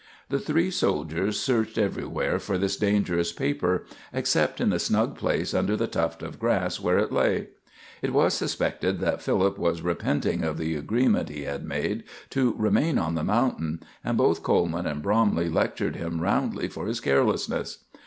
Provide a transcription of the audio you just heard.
The three soldiers searched everywhere for this dangerous paper, except in the snug place under the tuft of grass where it lay. It was suspected that Philip was repenting of the agreement he had made to remain on the mountain, and both Coleman and Bromley lectured him roundly for his carelessness.